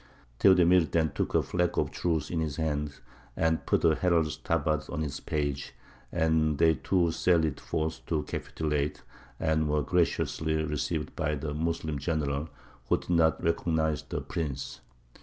Theodemir then took a flag of truce in his hand, and put a herald's tabard on his page, and they two sallied forth to capitulate, and were graciously received by the Moslem general, who did not recognize the prince.